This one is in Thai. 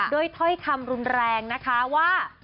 ถ้อยคำรุนแรงนะคะว่า